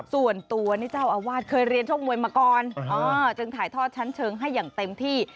ส่วนตัวนี่เจ้าอาวาสเคยเรียนชกมวยมาก่อนจึงถ่ายทอดชั้นเชิงให้อย่างเต็มที่